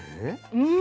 うん！